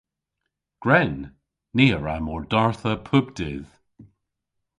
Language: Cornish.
Gwren! Ni a wra mordardha pub dydh.